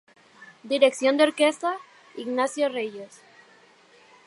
Dirección de Orquesta: Ignacio Reyes.